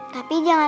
papa gak salah kok